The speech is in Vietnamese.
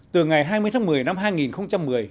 từ ngày hai mươi tháng một mươi năm hai nghìn một mươi